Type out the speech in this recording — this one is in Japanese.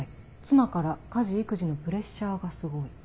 「妻から家事育児のプレッシャーがすごい」。